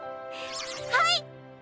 はい！